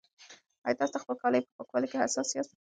ایا تاسي د خپلو کالیو په پاکوالي کې حساس یاست؟